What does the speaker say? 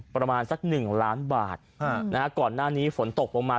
ประมาณสักหนึ่งล้านบาทก่อนหน้านี้ฝนตกลงมา